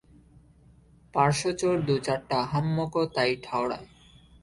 পার্শ্বচর দু-চারটা আহাম্মকও তাই ঠাওরায়।